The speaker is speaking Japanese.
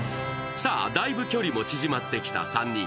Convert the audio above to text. さあ、だいぶ距離も縮まってきた３人。